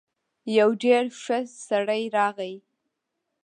يو ډېر ښه سړی راغی.